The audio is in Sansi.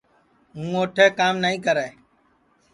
ہوں اوٹھے کام نائی کرے